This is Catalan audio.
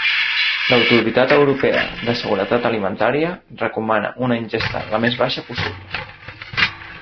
L'Autoritat Europea de Seguretat Alimentària recomana una ingesta la més baixa possible.